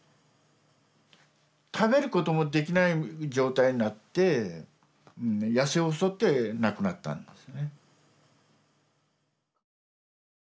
食べることもできない状態になって痩せ細って亡くなったんですね。